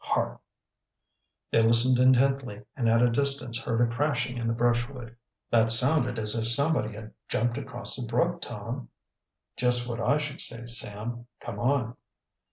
"Hark!" They listened intently and at a distance heard a crashing in the brushwood. "That sounded as if somebody had jumped across the brook, Tom!" "Just what I should say, Sam. Come on!"